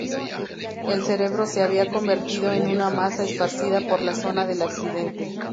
El cerebro se había convertido en una masa esparcida por la zona del accidente.